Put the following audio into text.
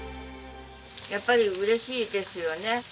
やっぱり嬉しいですよね。